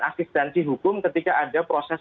asistensi hukum ketika ada proses